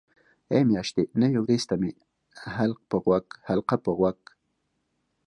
ای میاشتې نوې وریځ ته مې حلقه په غوږ.